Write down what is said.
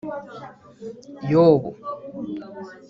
yobu ,